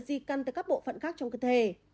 di căn từ các bộ phận khác trong cơ thể